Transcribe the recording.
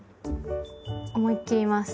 思いっ切ります。